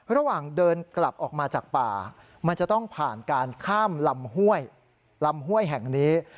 ระหว่างเดินกลับออกมาจากป่ามันจะต้องผ่านการข้ามลำห้วยลำห้วยแห่งนี้